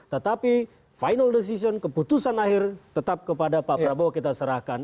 tetapi final decision keputusan akhir tetap kepada pak prabowo kita serahkan